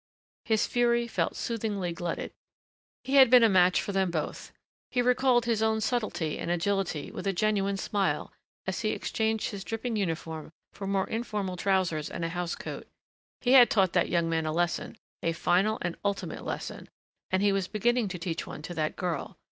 His fury felt soothingly glutted. He had been a match for them both. He recalled his own subtlety and agility with a genuine smile as he exchanged his dripping uniform for more informal trousers and a house coat. He had taught that young man a lesson a final and ultimate lesson. And he was beginning to teach one to that girl.